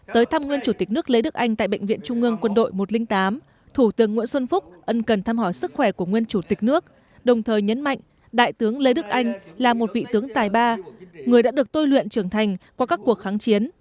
tới thăm nguyên chủ tịch nước lê đức anh tại bệnh viện trung ương quân đội một trăm linh tám thủ tướng nguyễn xuân phúc ân cần thăm hỏi sức khỏe của nguyên chủ tịch nước đồng thời nhấn mạnh đại tướng lê đức anh là một vị tướng tài ba người đã được tôi luyện trưởng thành qua các cuộc kháng chiến